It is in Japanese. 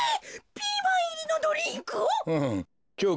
ピーマンいりのドリンクを？